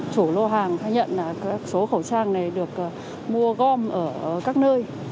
chủ lô hàng khai nhận là số khẩu trang này được mua gom ở các nơi